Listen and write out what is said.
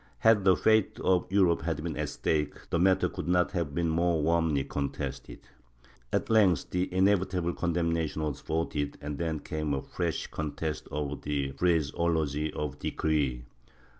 Had the fate of Europe been at stake, the matter could not have been more warmly contested. At length the inevitable con demnation was voted, and then came a fresh contest over the phraseology of the decree.